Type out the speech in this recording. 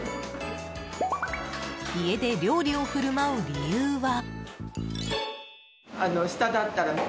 家で料理を振る舞う理由は。